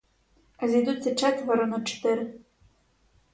А зійдуться четверо — на чотири.